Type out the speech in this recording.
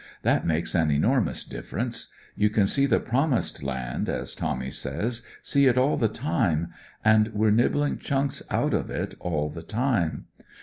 That makes an enormous difference. You can see the Promised Land, as Tommy says, see it all the time, and we're nibbling chunks out of it all the time.